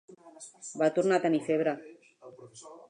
Va tornar a tenir febre.